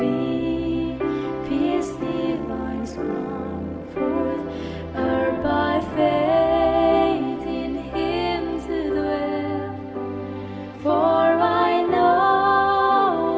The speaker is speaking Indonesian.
apakah kasih tuhan yang berkati ku